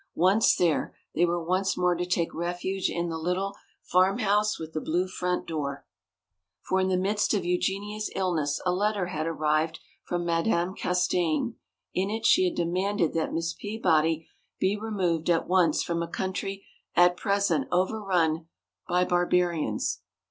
Once there, they were once more to take refuge in the little "Farmhouse with the Blue Front Door." For in the midst of Eugenia's illness a letter had arrived from Madame Castaigne. In it she had demanded that Miss Peabody be removed at once from a country at present overrun by barbarians.